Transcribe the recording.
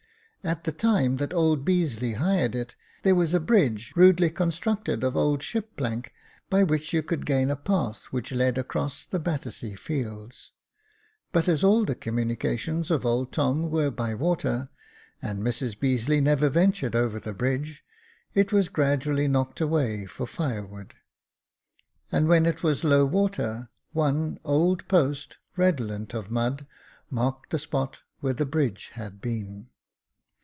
At the time that old Beazeley hired it, there was a bridge, rudely constructed of old ship plank, by which you could gain a path which led across the Battersea Fields ; but as all the communications of old Tom were by water, and Mrs Beazeley never ventured over the bridge, it was gradually knocked away for fire 3IO Jacob Faithful wood, and when it was low water, one old post, redolent of mud, marked the spot where the bridge had been.